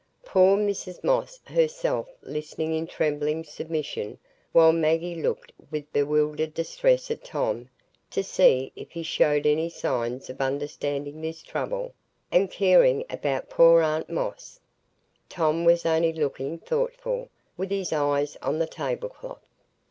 Poor Mrs Moss herself listened in trembling submission, while Maggie looked with bewildered distress at Tom to see if he showed any signs of understanding this trouble, and caring about poor aunt Moss. Tom was only looking thoughtful, with his eyes on the tablecloth.